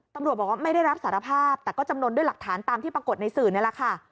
ตำรวจบอกว่าไม่ได้รับสารภาพแต่ก็จำนวนด้วยหลักฐานตามที่ปรากฏในสื่อนี่แหละค่ะ